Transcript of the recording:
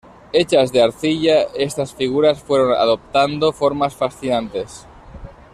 Hechas de arcilla, estas figuras fueron adoptando formas fascinantes.